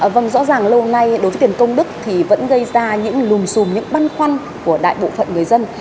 vâng rõ ràng lâu nay đối với tiền công đức thì vẫn gây ra những lùm xùm những băn khoăn của đại bộ phận người dân